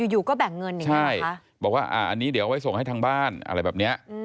อยู่ก็แบ่งเงินอย่างนี้บอกว่าอันนี้เดี๋ยวเอาไว้ส่งให้ทางบ้านอะไรแบบนี้